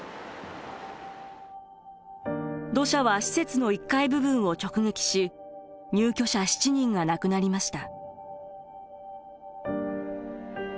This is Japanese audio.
土砂は施設の１階部分を直撃し入居者７人が亡くなりました。